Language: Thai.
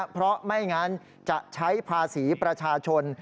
เพราะไม่งั้นจะใช้ภาษีประชาชน